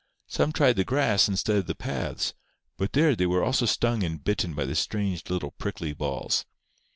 Some tried the grass instead of the paths, but there they were also stung and bitten by the strange little prickly balls.